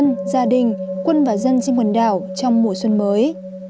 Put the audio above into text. bản thân gia đình quân và dân trên quần đảo trong mùa xuân mới